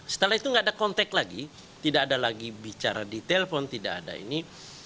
setelah itu tidak ada kontak lagi tidak ada lagi bicara di telpon tidak ada ini